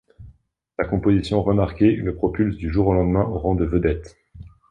Sa composition remarquée le propulse du jour au lendemain au rang de vedette.